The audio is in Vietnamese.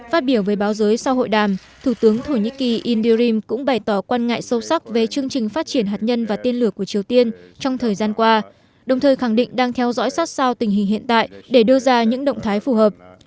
phát biểu với báo giới sau hội đàm thủ tướng thổ nhĩ kỳ indirim cũng bày tỏ quan ngại sâu sắc về chương trình phát triển hạt nhân và tiên lửa của triều tiên trong thời gian qua đồng thời khẳng định đang theo dõi sát sao tình hình hiện tại để đưa ra những động thái phù hợp